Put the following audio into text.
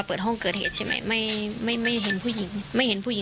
เป็นลูกค้าเราหรือเลย